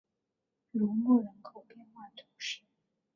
卢莫人口变化图示